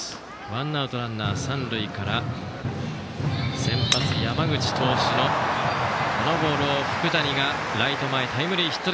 ワンアウトランナー、三塁から先発、山口投手のボールを福谷がライト前タイムリーヒット。